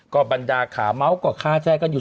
ก็บันดาขาเมาส์ก็ค่าแท้กันอยู่